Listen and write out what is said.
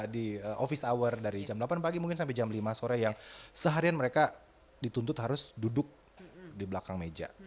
di office hour dari jam delapan pagi mungkin sampai jam lima sore yang seharian mereka dituntut harus duduk di belakang meja